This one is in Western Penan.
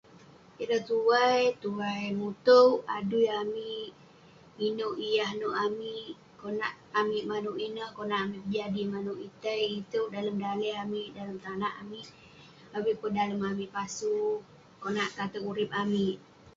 Ireh tuai, tuai mutouk adui amik, inouk yah nouk amik. Konak amik manouk ineh, konak amik pejadi manouk itei itouk dalem daleh amik, dalem tanak amik. Avik peh dalem amik pasu, konak tateg urip amik.